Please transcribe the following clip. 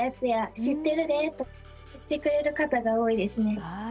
知ってるで」とか言ってくれる方が多いですね。